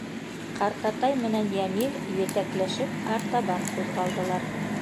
Ҡартатай менән Йәмил етәкләшеп артабан ҡуҙғалдылар.